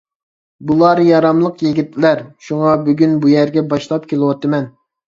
بۇلار ياراملىق يىگىتلەر، شۇڭا بۈگۈن بۇ يەرگە باشلاپ كېلىۋاتىمەن.